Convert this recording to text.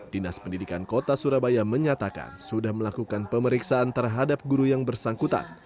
dinas pendidikan kota surabaya menyatakan sudah melakukan pemeriksaan terhadap guru yang bersangkutan